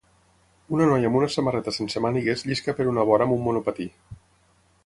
Una noia amb una samarreta sense mànegues llisca per una vora amb un monopatí.